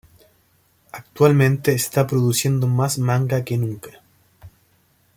Actualmente está produciendo más manga que nunca.